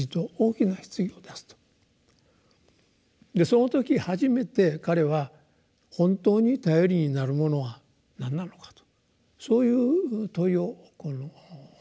その時初めて彼は本当に頼りになるものは何なのかとそういう問いを持つようになった。